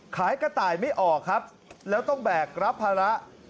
กระต่ายไม่ออกครับแล้วต้องแบกรับภาระ